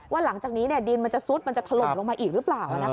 หลังจากนี้ดินมันจะซุดมันจะถล่มลงมาอีกหรือเปล่า